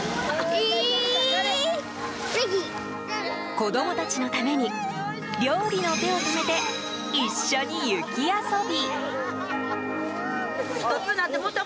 子供たちのために料理の手を止めて一緒に雪遊び！